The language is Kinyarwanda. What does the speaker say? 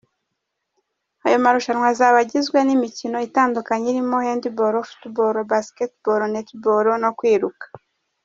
Ayo marushanwa azaba agizwe n’imikino itandukanye irimo Handball, Football, Basketball , Netball no kwiruka.